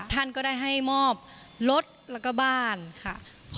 ท่านก็ได้ให้มอบรถแล้วก็บ้านค่ะ